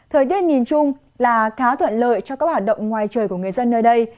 thời tiết nhìn chung là khá thuận lợi cho các hoạt động ngoài trời của người dân nơi đây